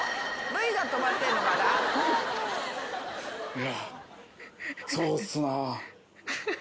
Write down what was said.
いやそうっすな。